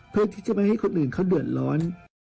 เพื่อที่จะไม่ให้คนอื่นเขาเดือดร้อน